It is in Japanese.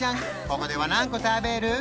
ここでは何個食べる？